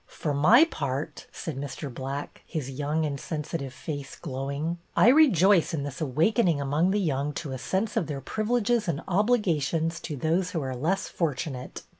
" For my part," said Mr. Black, his young and sensitive face glowing, " I rejoice in this awakening among the young to a sense of their privileges and obligations to those who are less fortunate.